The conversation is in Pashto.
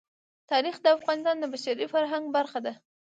تاریخ د افغانستان د بشري فرهنګ برخه ده.